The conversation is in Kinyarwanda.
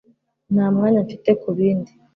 Nta mwanya mfite kubindi